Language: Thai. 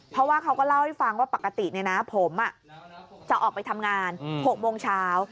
เพราะว่าเขาก็เล่าให้ฟังว่าปกติผมจะออกไปทำงาน๖โมงเช้า